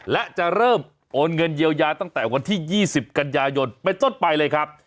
และจะเริ่มโอนเงินเยียวยาตั้งแต่วันที่๒๐กันยายนเป็นต้นไปเลยครับ